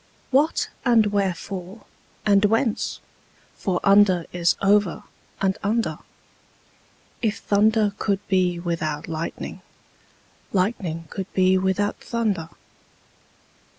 What, and wherefore, and whence? for under is over and under: If thunder could be without lightning, lightning could be without thunder.